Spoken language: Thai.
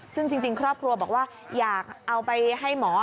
ซึ่งจริงครอบครัวบอกว่าอยากเอาไปให้หมอ